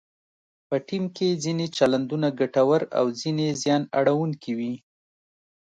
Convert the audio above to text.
په ټیم کې ځینې چلندونه ګټور او ځینې زیان اړونکي وي.